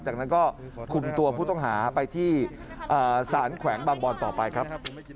จากนั้นก็คุมตัวผู้ต้องหาไปที่สารแขวงบางบอนต่อไปครับ